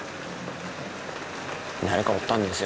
誰かおったんですよ